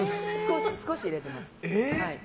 少し入れてます。